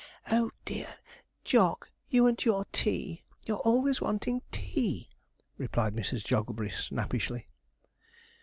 'Oh dear. Jog, you and your tea! you're always wanting tea,' replied Mrs. Jogglebury snappishly.